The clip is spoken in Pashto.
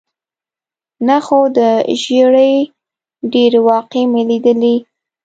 نه، خو د ژېړي ډېرې واقعې مې لیدلې.